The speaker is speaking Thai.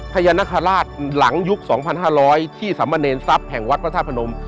พญานาคาราชหลังยุค๒๕๐๐ที่สมเนรทรัพย์แห่งวัดพระธาตุพนม